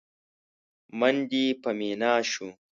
من دې په مينا شو؟!